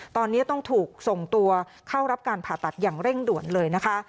ตอนนี้ต้องถูกส่งตัวเข้ารับการผ่าตัดอย่างเร่งด่วนเลยนะคะ